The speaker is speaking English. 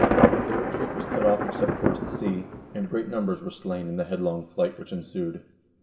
Their retreat was cut off except toward the sea, and great numbers were slain in the headlong flight which ensued.